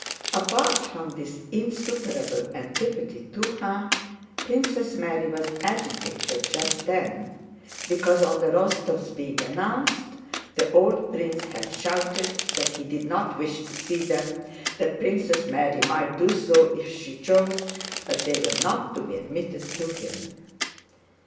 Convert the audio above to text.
Apart from this insuperable antipathy to her, Princess Mary was agitated just then because on the Rostóvs' being announced, the old prince had shouted that he did not wish to see them, that Princess Mary might do so if she chose, but they were not to be admitted to him.